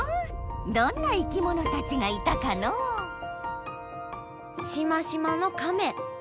どんな生きものたちがいたかのうしましまのカメ。